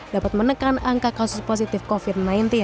dapat menekan angka kasus positif covid sembilan belas